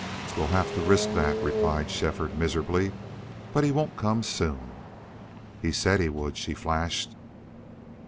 "We'll have to risk that," replied Shefford, miserably. "But he won't come soon." "He said he would," she flashed.